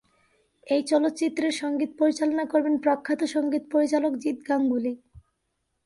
এই চলচ্চিত্রের সংগীত পরিচালনা করবেন প্রখ্যাত সংগীত পরিচালক জিৎ গাঙ্গুলী।